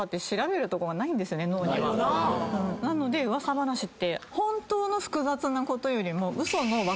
なので噂話って。